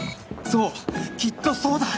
そうきっとそうだ！